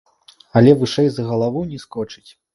Але вышэй за галаву не скочыць.